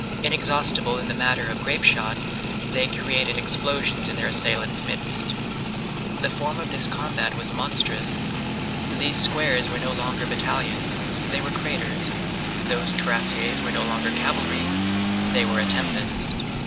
Inexhaustible in the matter of grape shot, they created explosions in their assailants' midst. The form of this combat was monstrous. These squares were no longer battalions, they were craters; those cuirassiers were no longer cavalry, they were a tempest.